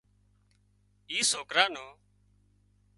اِي سوڪرا نو